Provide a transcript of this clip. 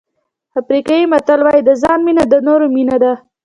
افریقایي متل وایي د ځان مینه د نورو مینه ده.